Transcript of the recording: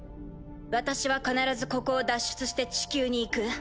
私は必ずここを脱出して地球に行く。